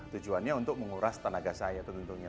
tujuannya untuk menguras tenaga saya tentunya